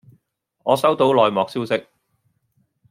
我收到內幕消息